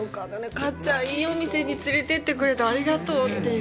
かっちゃん、いいお店につれていってくれてありがとうという。